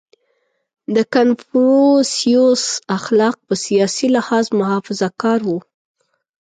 • د کنفوسیوس اخلاق په سیاسي لحاظ محافظهکار وو.